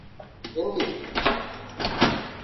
Hindi